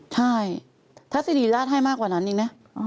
ใช่ถ้าสิริราชให้มากกว่านั้นอีกนะ